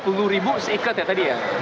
ini dua puluh seiket ya tadi ya